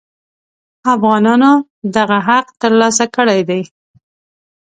افغانانو دغه حق تر لاسه کړی دی.